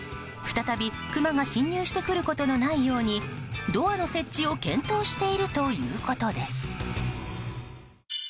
再びクマが侵入してくることのないようにドアの設置を検討しているということです。